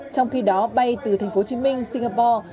trong khi đó bay từ tp hcm singapore